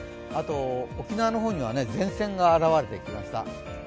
あと沖縄の方には前線が現れてきました。